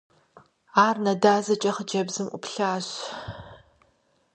Ар нэ дазэкӀэ хъыджэбзым Ӏуплъащ.